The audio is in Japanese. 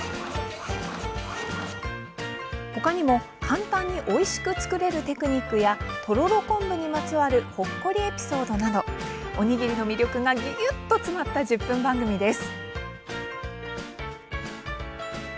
ほかにも、簡単においしく作れるテクニックやとろろ昆布にまつわるほっこりエピソードなどおにぎりの魅力がぎゅぎゅっと詰まった１０分番組です。